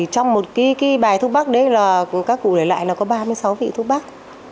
trong một cái bài thuốc bắc đấy là các cụ lại là có ba mươi sáu vị thuốc bắc